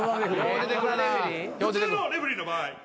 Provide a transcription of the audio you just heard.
普通のレフェリーの場合。